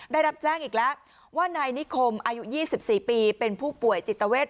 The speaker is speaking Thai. ได้รับแจ้งอีกแล้วว่านายนิคมอายุ๒๔ปีเป็นผู้ป่วยจิตเวท